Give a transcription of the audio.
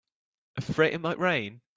Afraid it might rain?